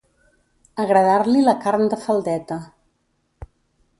Agradar-li la carn de faldeta.